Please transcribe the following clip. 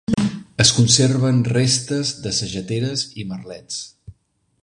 Es conserven restes de sageteres i merlets.